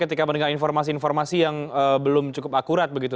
ketika mendengar informasi informasi yang belum cukup akurat begitu